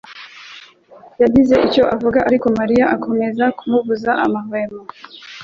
yagize icyo avuga, ariko Mariya akomeza kumubuza amahwemo.